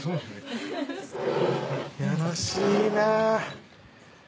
よろしいなぁ。